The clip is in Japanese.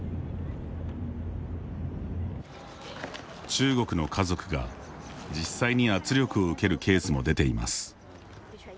中国の家族が実際に圧力を受けるケースも出ています。